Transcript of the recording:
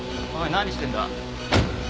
何してるんだ？